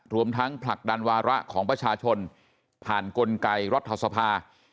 รวมทั้งผลักดันวาระของประชาชนผ่านกลไกรัฐสภา